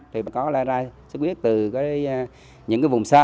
thì có ra sốt xuất huyết từ những vùng xa